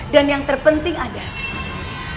dan yang terpenting adalah